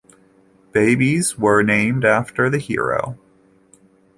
Babies were named after the hero.